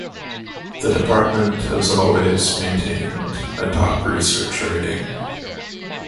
The department has always maintained a top research rating.